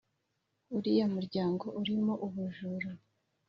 uriya muryango urimo ubujura